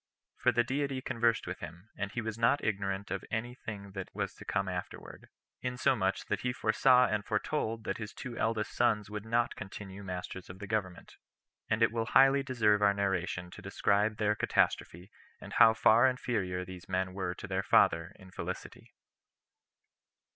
For the Deity conversed with him, and he was not ignorant of any thing that was to come afterward; insomuch that he foresaw and foretold that his two eldest sons would not continue masters of the government; and it will highly deserve our narration to describe their catastrophe, and how far inferior these men were to their father in felicity.